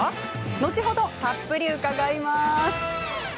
後ほど、たっぷり伺います。